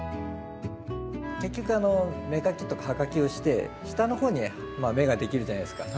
結局芽かきとか葉かきをして下の方に芽ができるじゃないですか。